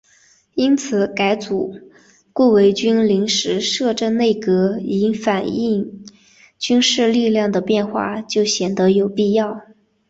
因此改组顾维钧临时摄政内阁以反映军事力量的变化就显得有必要。